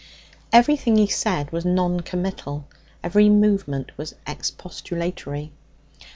Everything he said was non committal, every movement was expostulatory.